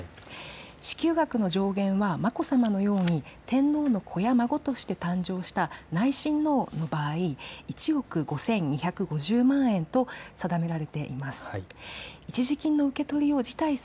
支給額の上限は眞子さまのように天皇の子や孫として誕生した内親王の場合、１億５２５０万円と定められています。